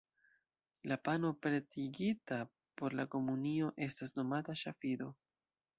La pano pretigita por la komunio estas nomata "ŝafido".